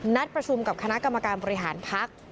นัดประชุมกับคณะกรรมการบริหารพัก